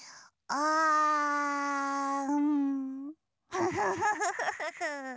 フフフフフフ。